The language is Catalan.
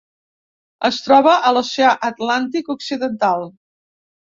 Es troba a l'Oceà Atlàntic Occidental: